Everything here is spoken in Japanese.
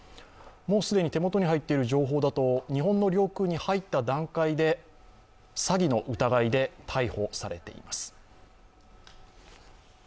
もう既に手元に入っている情報だと日本の領空に入った段階で詐欺の疑いで逮捕されています。